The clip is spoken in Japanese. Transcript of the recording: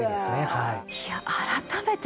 はい。